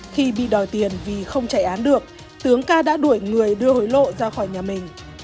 khi bị đòi tiền vì không chạy án được tướng ca đã đuổi người đưa hối lộ ra khỏi nhà mình